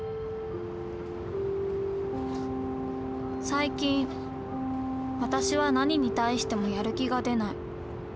最近私は何に対してもやる気が出ない。